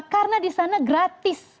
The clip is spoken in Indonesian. karena di sana gratis